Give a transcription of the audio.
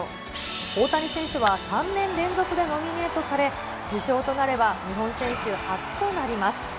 大谷選手は３年連続でノミネートされ、受賞となれば日本選手初となります。